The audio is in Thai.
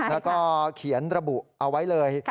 แล้วก็เขียนระบุเอาไว้เลย